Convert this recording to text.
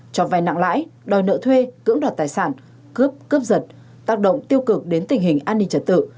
cho vai nặng lãi đòi nợ thuê cưỡng đoạt tài sản cướp cướp giật tác động tiêu cực đến tình hình an ninh trật tự